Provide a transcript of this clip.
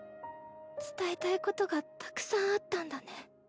伝えたいことがたくさんあったんだね。